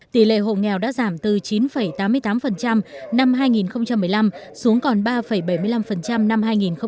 tỷ lệ hộ nghèo đã giảm từ chín tám mươi tám năm hai nghìn một mươi năm xuống còn ba bảy mươi năm năm hai nghìn một mươi tám